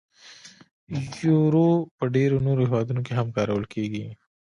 یورو په ډیری نورو هیوادونو کې هم کارول کېږي.